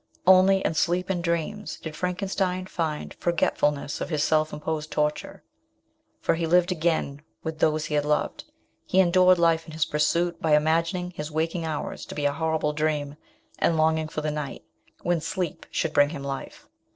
Only in sleep and dreams did Frankenstein find forgetfuluess of his self imposed torture, for he lived again with those he had loved ; he endured life in his pursuit by imagining his waking hours to be a horrible dream and longing for the night, when sleep should bring him life.